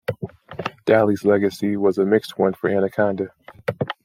Daly's legacy was a mixed one for Anaconda.